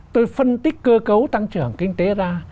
tôi phân tích cơ cấu tăng trưởng kinh tế ra